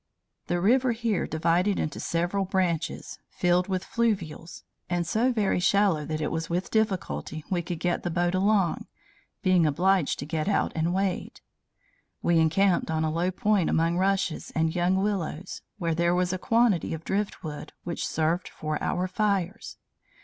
The river here divided into several branches, filled with fluvials, and so very shallow that it was with difficulty we could get the boat along, being obliged to get out and wade. We encamped on a low point among rushes and young willows, where there was a quantity of driftwood, which served for our fires.